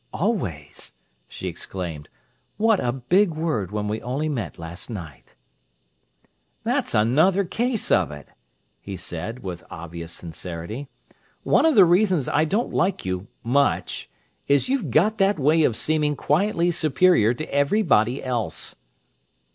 "Always!" she exclaimed. "What a big word when we only met last night!" "That's another case of it," he said, with obvious sincerity. "One of the reasons I don't like you—much!—is you've got that way of seeming quietly superior to everybody else."